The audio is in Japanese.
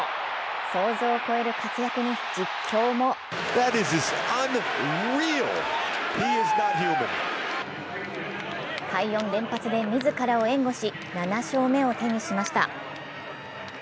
想像を超える活躍に実況も快音連発で自らを援護し７勝目を手にしました。